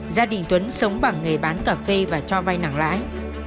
gia đình tuấn sống bằng nghề bán cà phê và cho vay nặng lãi